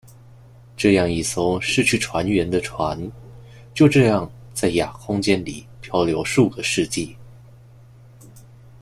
这样一艘失去船员的船就这样在亚空间里飘流数个世纪。